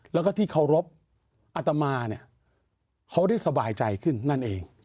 แล้วก็ที่เคารพอัตมาเนี่ยเขาได้สบายใจขึ้นนั่นเอง